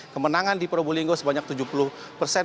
kemenangan di perubo linggo sebanyak tujuh puluh persen